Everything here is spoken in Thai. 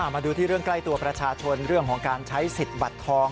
มาดูที่เรื่องใกล้ตัวประชาชนเรื่องของการใช้สิทธิ์บัตรทอง